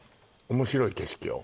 面白い景色よ